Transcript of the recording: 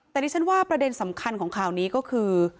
แต่ดิฉันว่าประเด็นสำคัญของข่าวนี้ก็คือ